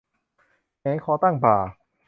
แหงนคอตั้งบ่า